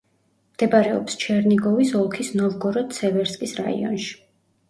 მდებარეობს ჩერნიგოვის ოლქის ნოვგოროდ-სევერსკის რაიონში.